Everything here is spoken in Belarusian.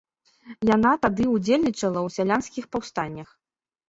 Яна тады ўдзельнічала ў сялянскіх паўстаннях.